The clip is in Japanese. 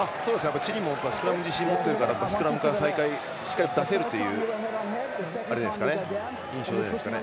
チリもスクラム自信を持っていますからスクラムからしっかり再開できるという印象じゃないですかね。